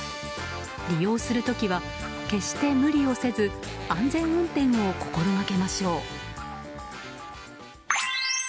利用する時は、決して無理をせず安全運転を心がけましょう。